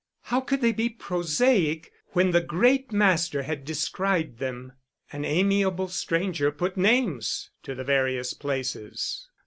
How could they be prosaic when the great master had described them? An amiable stranger put names to the various places.